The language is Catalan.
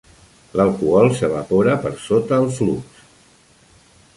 L'alcohol s'evapora per sota el flux.